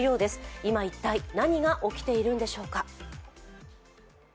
今、一体何が起きているんでしょうか。